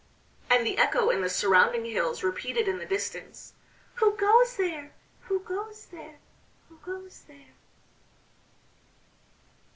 and the echo in the surrounding hills repeated in the distance: "Who goes there? Who goes there? Who goes there?"...